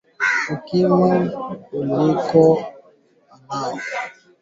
Uki rima mu kipwa una pashwa ku mwangiya mayi mu mashamba yako